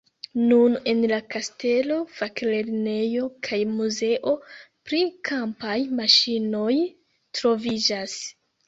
Nun en la kastelo faklernejo kaj muzeo pri kampaj maŝinoj troviĝas.